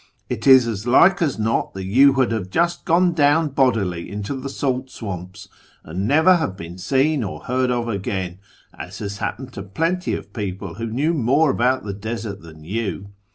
it is as like as not that you would have just gone down bodily into the salt swamps, and never have been seen or heard of again, as has happened to plenty of people who knew more about the desert than you."